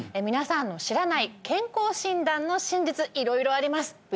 皆さんの知らない健康診断の真実色々あります